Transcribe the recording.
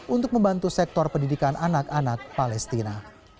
untuk membantu sektor pendidikan anak anak palestina